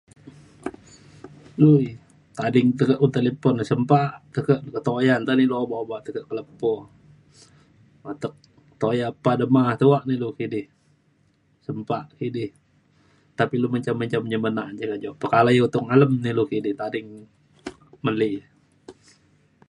dui tading teka un talipon sempa tekak ke petoyan nta na ilu obak obak tekak ka lepo atek toya pa dema tuak na ilu kidi sempa kidi. nta pa ilu menjam menjam nyemena ja kejo. pekalai utung alem na ilu kidi tading meli